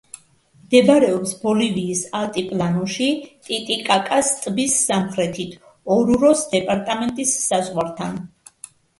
მდებარეობს ბოლივიის ალტიპლანოში, ტიტიკაკას ტბის სამხრეთით, ორუროს დეპარტამენტის საზღვართან.